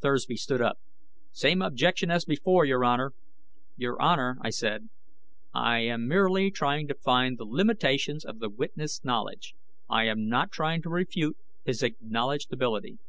Thursby stood up. "Same objection as before, Your Honor." "Your Honor," I said, "I am merely trying to find the limitations of the witness' knowledge; I am not trying to refute his acknowledged ability."